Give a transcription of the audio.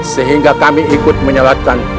sehingga kami ikut menyalatkan